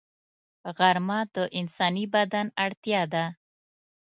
غرمه د انساني بدن اړتیا ده